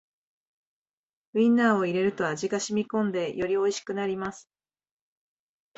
ウインナーを入れると味がしみこんでよりおいしくなります